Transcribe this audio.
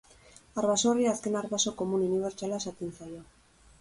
Arbaso horri azken arbaso komun unibertsala esaten zaio.